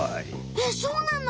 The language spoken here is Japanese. えっそうなの？